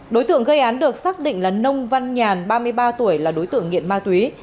đối tượng gây án được xác định là nông văn nhàn ba mươi ba tuổi là đối tượng nghiện ma túy